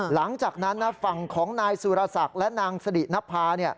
หลังจากนั้นฝั่งของนายสุรศักดิ์และนางสรินภา